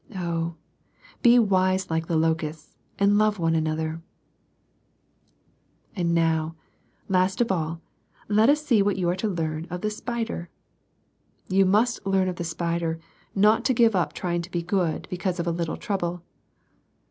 Oh, be wise like the locusts, and love one another ! IV. And now, last of all, let us see what you are to learn of the spider. You must learn of the spider not to give up trying to be good because of a little trouble.